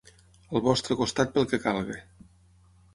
Al vostre costat pel que calgui.